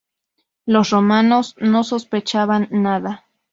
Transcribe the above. Los Románov no sospechaban nada.